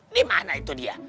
dimana itu dia